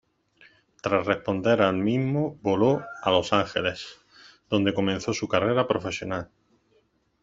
Tras responder al mismo voló a Los Ángeles, donde comenzó su carrera profesional.